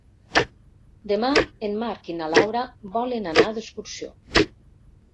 Demà en Marc i na Laura volen anar d'excursió.